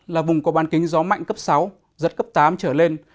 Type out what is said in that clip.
là vùng có ban kính gió mạnh cấp sáu giật cấp tám trở lên